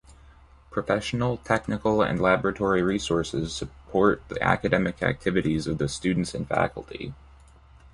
Professional, technical and laboratory resources support the academic activities of the students and faculty.